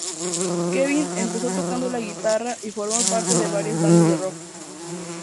Kevin empezó tocando la guitarra y formó parte de varias bandas de rock.